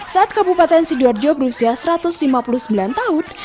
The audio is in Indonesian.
saat kabupaten sidoarjo berusia satu ratus lima puluh sembilan tahun